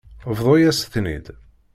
Bḍu-yas-ten-id.